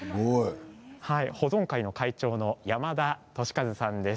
保存会の会長の山田敏一さんです。